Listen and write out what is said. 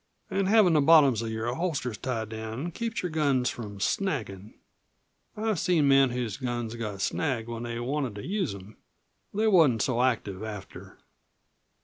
An' havin' the bottoms of your holsters tied down keeps your guns from snaggin'. I've seen men whose guns got snagged when they wanted to use them. They wasn't so active after."